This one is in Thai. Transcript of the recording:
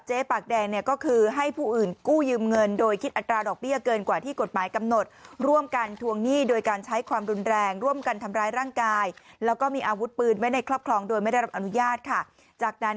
จากนั้นก็คู่ยืมเงินโดยคิดอัตราดอกเปี้ยเกินกว่าที่กฎหมายกำหนด